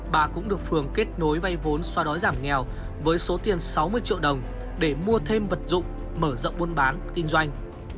bà cũng được phường kết nối vay vốn xoa đói giảm nghèo với số tiền sáu mươi triệu đồng để mua thêm vật dụng mở rộng buôn bán kinh doanh